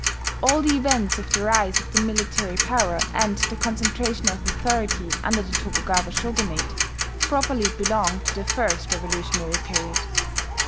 All the events of the rise of the military power and the concentration of authority under the Tokugawa Shogunate properly belong to the first revolutionary period.